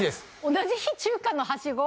同じ日中華のはしご？